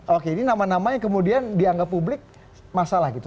oke ini nama namanya kemudian dianggap publik masalah gitu